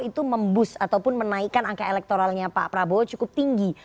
itu memboost ataupun menaikkan angka elektoralnya pak prabowo cukup tinggi